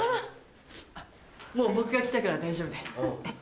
もう僕が来たから大丈夫だよ。